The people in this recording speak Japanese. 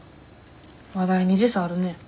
話題に時差あるね。